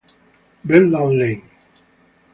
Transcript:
Brendan Lane